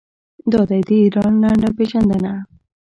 دا دی د ایران لنډه پیژندنه.